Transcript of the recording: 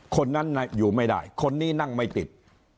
คนนั้นอยู่ไม่ได้คนนี้นั่งไม่ติด